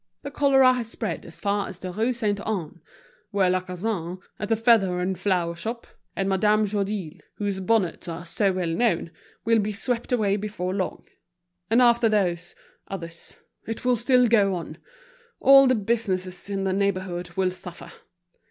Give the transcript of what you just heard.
The cholera has spread as far as the Rue Sainte Anne, where Lacassagne, at the feather and flower shop, and Madame Chadeuil, whose bonnets are so well known, will be swept away before long. And after those, others; it will still go on! All the businesses in the neighborhood will suffer.